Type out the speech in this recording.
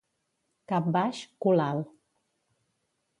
Cap baix, cul alt.